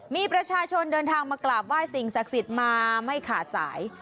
มีประชาชนเดินทางมากราบไหว้สิ่งศักดิ์สิทธิ์มาไม่ขาดสาย